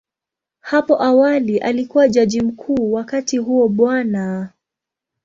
Hapo awali alikuwa Jaji Mkuu, wakati huo Bw.